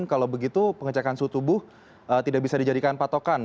kalau begitu pengecekan suhu tubuh tidak bisa dijadikan patokan